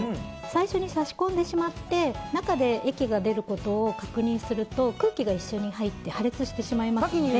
最初に差し込んでしまって中で液が出ることを確認すると空気が一緒に入って破裂してしまいますので。